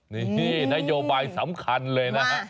นี่นโยบายสำคัญเลยนะฮะ